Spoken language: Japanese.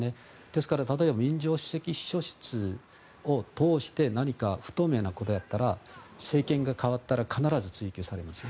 ですから例えば民情首席秘書室を通して何か不透明なことをやったら政権が変わったら必ず追及されます。